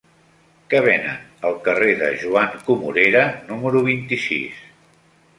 Què venen al carrer de Joan Comorera número vint-i-sis?